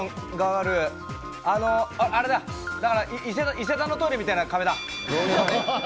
伊勢丹のトイレみたいな壁だ。